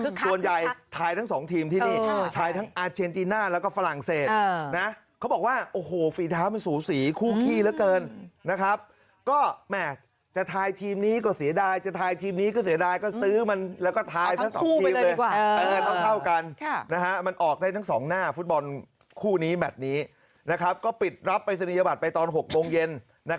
ก็ปิดรับปริศนียบัตรกันไปตอน๖โมงเย็น